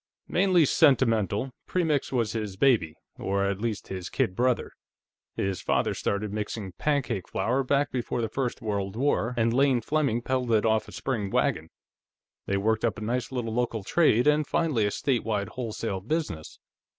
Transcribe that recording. "Mainly sentimental. Premix was his baby, or, at least, his kid brother. His father started mixing pancake flour back before the First World War, and Lane Fleming peddled it off a spring wagon. They worked up a nice little local trade, and finally a state wide wholesale business.